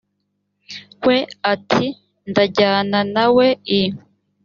we ati ndajyana na we i